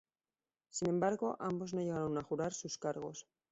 Sin embargo, ambos no llegaron a jurar sus cargos.